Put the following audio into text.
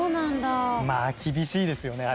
まあ厳しいですよね